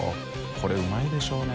これうまいでしょうね。